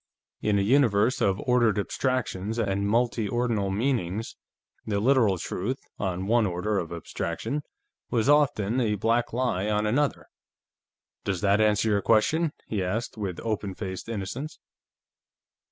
In a universe of ordered abstractions and multiordinal meanings, the literal truth, on one order of abstraction, was often a black lie on another. "Does that answer your question?" he asked, with open faced innocence.